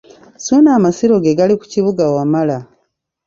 Ssuuna amasiro ge gali ku Kibuga Wamala.